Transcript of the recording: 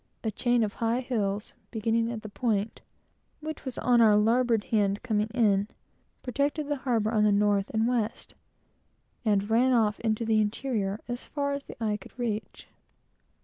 A chain of high hills, beginning at the point, (which was on our larboard hand, coming in,) protected the harbor on the north and west, and ran off into the interior as far as the eye could reach.